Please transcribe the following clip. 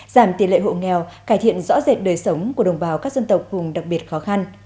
giảm tỷ lệ hộ nghèo cải thiện rõ rệt đời sống của đồng bào các dân tộc vùng đặc biệt khó khăn